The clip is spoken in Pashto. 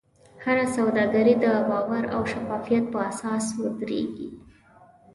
هره سوداګري د باور او شفافیت په اساس ودریږي.